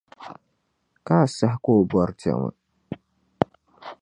Ka a sahi ka o bɔr’diɛma.